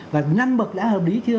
và năm bậc đã hợp lý chưa